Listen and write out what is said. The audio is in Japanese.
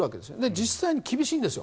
実際に厳しいんですよ。